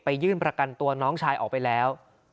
ยื่นประกันตัวน้องชายออกไปแล้ว